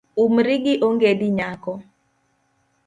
Umri gi ongedi nyako.